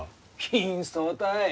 貧相たい。